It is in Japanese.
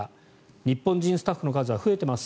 日本人スタッフの数は増えています